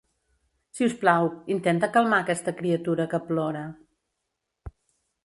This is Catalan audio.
Si us plau, intenta calmar a aquesta criatura que plora.